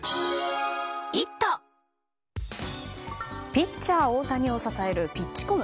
ピッチャー、大谷を支えるピッチコム。